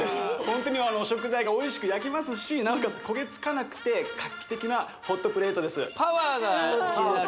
ホントに食材がおいしく焼けますしなおかつ焦げ付かなくて画期的なホットプレートです